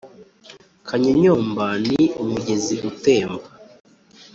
Kanyonyomba ni umugezi utemba